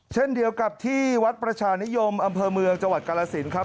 เช่นเดียวกับที่วัดประชานิยมอำเภอเมืองจังหวัดกาลสินครับ